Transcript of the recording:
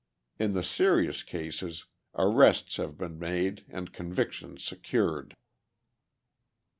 In the serious cases, arrests have been made and convictions secured.